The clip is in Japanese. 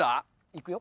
いくよ。